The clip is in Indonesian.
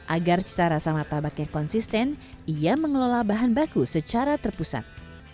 agar cita rasa martabaknya konsisten ia mengelola bahan baku secara terpusat